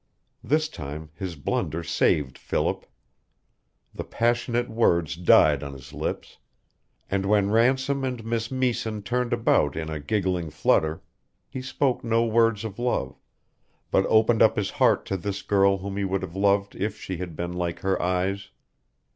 This time his blunder saved Philip. The passionate words died on his lips; and when Ransom and Miss Meesen turned about in a giggling flutter, he spoke no words of love, but opened up his heart to this girl whom he would have loved if she had been like her eyes.